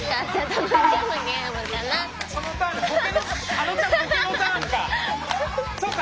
あのちゃんボケのターンか。